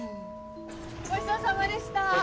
ごちそうさまでした。